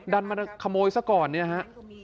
ดันมาขโมยซะก่อนเนี่ยฮะ